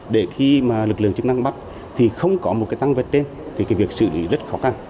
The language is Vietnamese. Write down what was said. để khi mà lực lượng chức năng bắt thì không có một cái tăng vật trên thì cái việc xử lý rất khó khăn